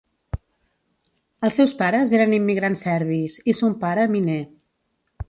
Els seus pares eren immigrants serbis, i son pare, miner.